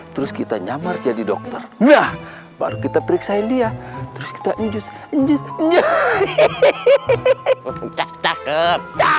terus kita nyamars jadi dokter jam baru kita periksain dia terus kita ngejus enjus vai ihehe